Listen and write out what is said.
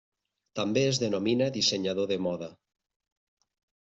També es denomina dissenyador de moda.